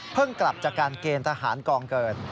กลับจากการเกณฑ์ทหารกองเกิน